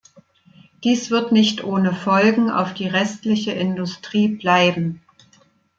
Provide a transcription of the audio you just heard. Dies wird nicht ohne Folgen auf die restliche Industrie bleiben.